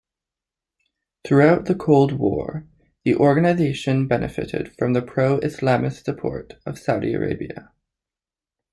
Throughout the Cold War, the organization benefited from the pro-Islamist support of Saudi Arabia.